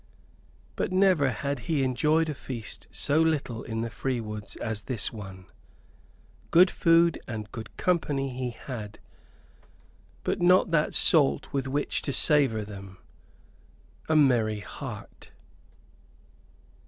But never had he enjoyed a feast so little in the free woods as this one. Good food and good company he had, but not that salt with which to savor them a merry heart.